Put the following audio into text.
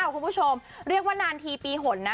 คุณผู้ชมเรียกว่านานทีปีหนนะ